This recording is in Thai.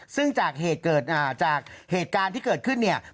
ซึ่งจากเหตุการณ์ที่เกิดขึ้นเนี่ย